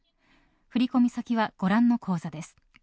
振込先はご覧の口座です。